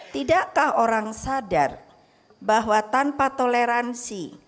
tidakkah orang sadar bahwa tanpa toleransi